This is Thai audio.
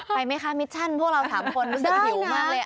ไปไหมคะมิชชั่นพวกเรา๓คนรู้สึกหิวมากเลย